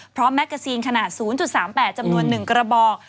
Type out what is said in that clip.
พร้อมแมกเกอร์ซีนขนาด๐๓๘จำนวน๑กระบอก